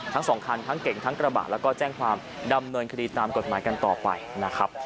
ทั้งกระบาดแล้วก็แจ้งความดำเนินคดีตามกฎหมายกันต่อไปนะครับ